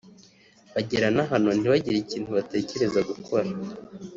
Bagera na hano ntibagire ikintu batekereza gukora